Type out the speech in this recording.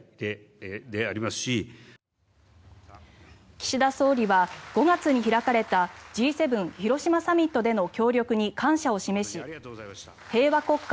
岸田総理は５月に開かれたＧ７広島サミットでの協力に感謝を示し平和国家